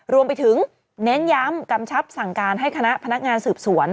รวมไปถึงเน้นย้ำกำชับสั่งการให้คณะพนักงานสืบสวน